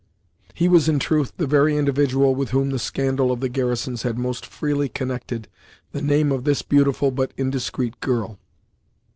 He was, in truth, the very individual with whom the scandal of the garrisons had most freely connected the name of this beautiful but indiscreet girl.